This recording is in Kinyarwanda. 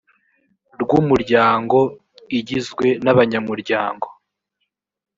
rw’umuryango: igizwe n’abanyamuryango